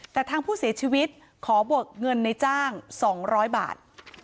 แต่ทางผู้เสียชีวิตขอเบิกเงินในจ้าง๒๐๐บาท